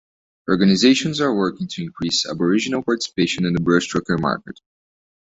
Organisations are working to increase Aboriginal participation in the bush tucker market.